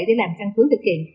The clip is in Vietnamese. để làm căn cứ thực hiện